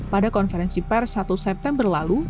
pada konferensi pers satu september lalu